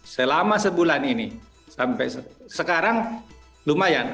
selama sebulan ini sampai sekarang lumayan